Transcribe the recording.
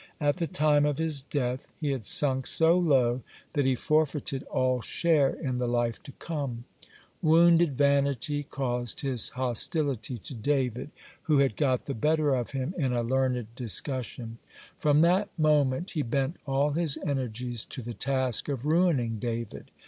At the time of his death he had sunk so low that he forfeited all share in the life to come. (100) Wounded vanity caused his hostility to David, who had got the better of him in a learned discussion. (101) From that moment he bent all his energies to the task of ruining David.